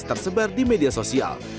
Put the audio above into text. nick harris tersebar di media sosial